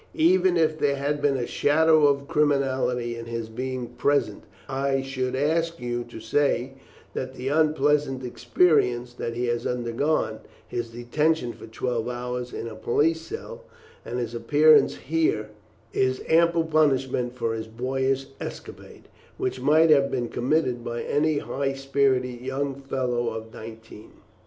Even if there had been a shadow of criminality in his being present, I should ask you to say that the unpleasant experience that he has undergone his detention for twelve hours in a police cell, and his appearance here is ample punishment for his boyish escapade, which might have been committed by any high spirited young fellow of nineteen."